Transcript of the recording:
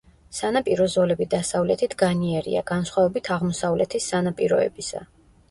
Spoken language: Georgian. სანაპირო ზოლები დასავლეთით განიერია განსხვავებით აღმოსავლეთის სანაპიროებისა.